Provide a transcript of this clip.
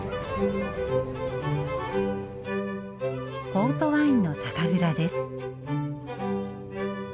ポートワインの酒蔵です。